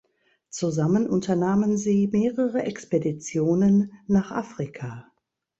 Zusammen unternahmen sie mehrere Expeditionen nach Afrika.